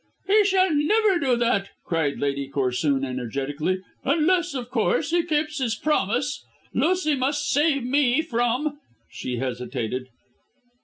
"He shall never do that," cried Lady Corsoon energetically; "unless, of course, he keeps his promise. Lucy must save me from " She hesitated.